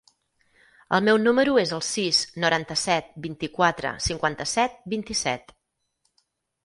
El meu número es el sis, noranta-set, vint-i-quatre, cinquanta-set, vint-i-set.